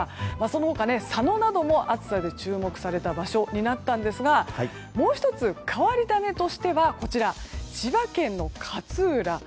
その他、佐野なども暑さで注目された場所になったんですがもう１つ、変わり種としては千葉県の勝浦。